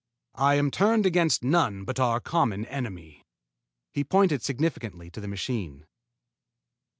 I am turned against none but our common enemy." He pointed significantly to the machine.